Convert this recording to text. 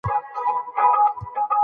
عاطفي ژړا یوازې د یو احساس نتیجه نه وي.